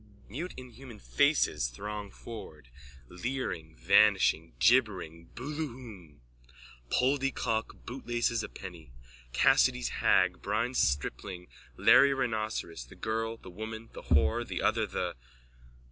_(Mute inhuman faces throng forward, leering, vanishing, gibbering, Booloohoom. Poldy Kock, Bootlaces a penny, Cassidy's hag, blind stripling, Larry Rhinoceros, the girl, the woman, the whore, the other, the...)